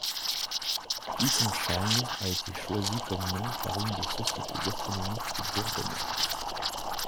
Piquenchâgne a été choisi comme nom par une des sociétés gastronomiques du Bourbonnais.